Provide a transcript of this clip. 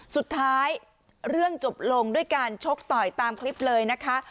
สุดท้ายเรื่องจบลงด้วยการชกต่อยตามคลิปเลยนะคะ